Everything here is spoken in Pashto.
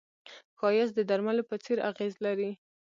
ښایست د درملو په څېر اغېز لري